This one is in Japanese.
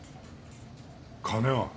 金は？